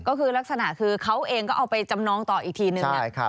ก็คือลักษณะคือเขาเองก็เอาไปจำนองต่ออีกทีนึง